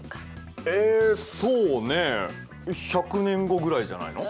えそうねえ１００年後ぐらいじゃないの？